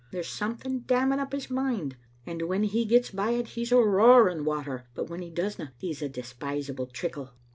There's something damming up his mind, and when he gets by it he's a roaring water, but when he doesna he's a despizable trickle.